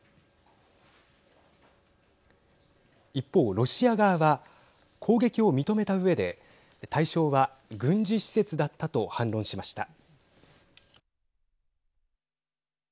一方、ロシア側は攻撃を認めたうえで対象は軍事施設だったと反論しました。